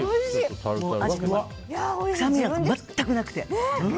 アジの臭みが全くなくて。